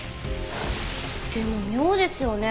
でも妙ですよね。